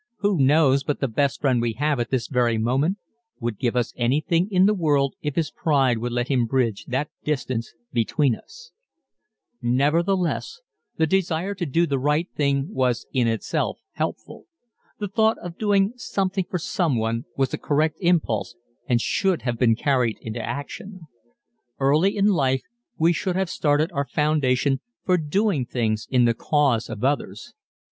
Who knows but the best friend we have at this very moment would give anything in the world if his pride would let him bridge that distance between us. [Illustration: A Scene from "The Americano" Matching Wits for Gold] Nevertheless the desire to do the right thing was in itself helpful. The thought of doing something for someone was a correct impulse and should have been carried into action. Early in life we should have started our foundation for doing things in the cause of others.